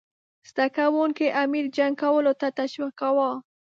زده کوونکي امیر جنګ کولو ته تشویقاووه.